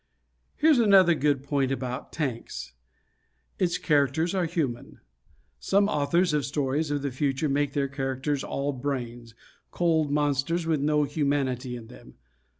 Here's another good point about "Tanks." Its characters are human. Some authors of stories of the future make their characters all brains cold monsters, with no humanity in them.